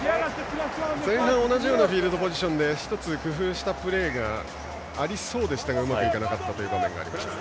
前半、同じようなフィールドポジションで１つ工夫したプレーがありそうでしたがうまくいかなかった場面がありました。